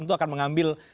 tentu akan mengambil